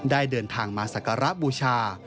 ได้เดินทางมาสักการะบูชา